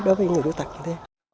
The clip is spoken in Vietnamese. đối với người khuyết tật